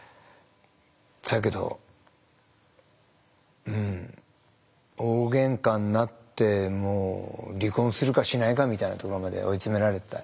だけどうん大げんかになってもう離婚するかしないかみたいなところまで追い詰められて。